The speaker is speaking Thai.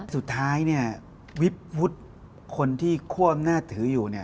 สุดท้ายวิปฟุตคนที่คว่างน่าถืออยู่